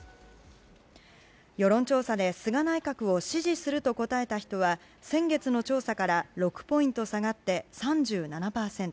世論調査で菅内閣を支持すると答えた人は先月の調査から６ポイント下がって３７％。